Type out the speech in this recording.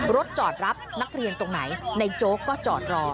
รถจอดรับนักเรียนตรงไหนในโจ๊กก็จอดรอ